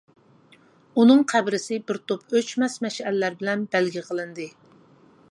ئۇنىڭ قەبرىسى بىر توپ ئۆچمەس مەشئەللەر بىلەن بەلگە قىلىندى.